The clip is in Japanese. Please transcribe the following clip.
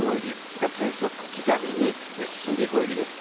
日向選手は小刻みに進んでいく泳ぎです。